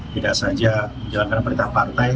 tidak saja menjalankan perintah partai